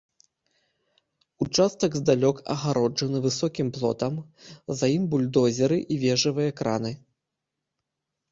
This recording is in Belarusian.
Участак здалёк агароджаны высокім плотам, за ім бульдозеры і вежавыя краны.